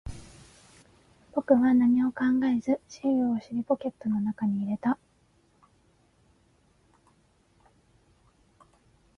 僕は何も考えず、シールを尻ポケットの中に入れた。